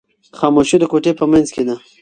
خاموشي د کوټې په منځ کې ده.